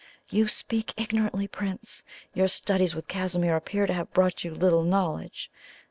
"You speak ignorantly, Prince. Your studies with Casimir appear to have brought you little knowledge.